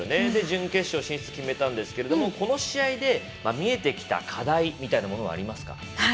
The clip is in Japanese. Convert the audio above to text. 準決勝進出決めたんですけど、この試合で見えてきた課題みたいなものはありますか？